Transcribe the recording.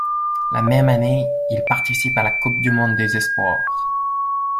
La même année, il participe à la Coupe du monde des espoirs.